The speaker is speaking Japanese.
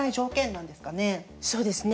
そうですね。